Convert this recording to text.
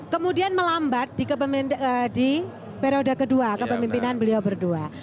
kemudian melambat di periode kedua kepemimpinan beliau berdua